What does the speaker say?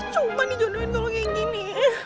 cuma di jodohin tolong yang gini